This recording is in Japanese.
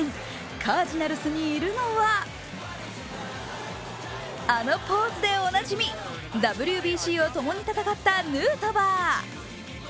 カージナルスにいるのはあのポーズでおなじみ、ＷＢＣを共に戦ったヌートバー。